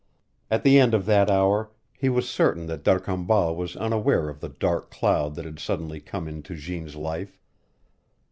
At the end of that hour he was certain that D'Arcambal was unaware of the dark cloud that had suddenly come into Jeanne's life.